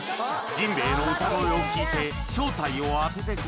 ジンベエの歌声を聴いて正体を当ててください